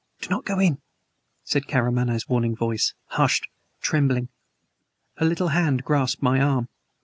"Do not go in!" came Karamaneh's warning voice hushed trembling. Her little hand grasped my arm.